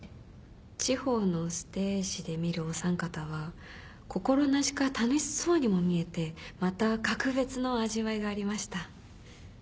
地方のステージで見るおさん方は心なしか楽しそうにも見えてまた格別の味わいがありました。